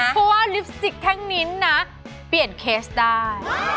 เพราะว่าลิปสติกแท่งมิ้นนะเปลี่ยนเคสได้